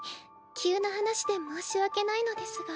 急な話で申し訳ないのですが。